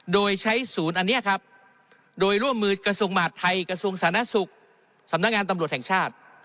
โดยใช้ศูนย์อันนี้ครับโดยร่วมมือกระทรวงมหาดไทยกระทรวงสาธารณสุขสำนักงานตำรวจแห่งชาติ